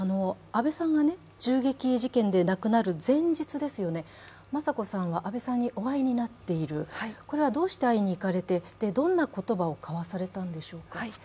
安倍さんが銃撃事件で亡くなる前日、雅子さんは安倍さんにお会いになっている、これはどうして会いに行かれてどんな言葉を交わされたんでしょうか。